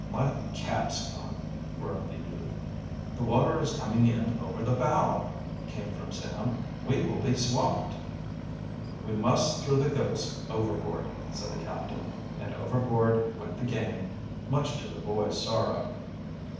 "My cap's gone!" groaned the youth. "The water is coming in over the bow!" came from Sam. "We will be swamped!" "We must throw the goats overboard," said the captain, and overboard went the game, much to the boys' sorrow.